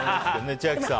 千秋さん。